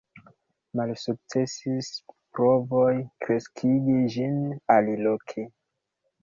Malsukcesis provoj kreskigi ĝin aliloke.